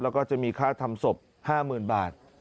แล้วก็จะมีค่าทำศพ๕๐๐๐บาท